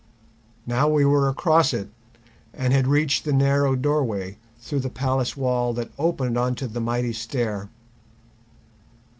Now we were across it, and had reached the narrow doorway through the palace wall that opened on to the mighty stair.